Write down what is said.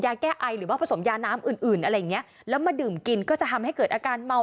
แก้ไอหรือว่าผสมยาน้ำอื่นอื่นอะไรอย่างเงี้ยแล้วมาดื่มกินก็จะทำให้เกิดอาการเมา